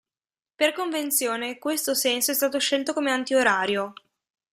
Per convenzione questo senso è stato scelto come antiorario.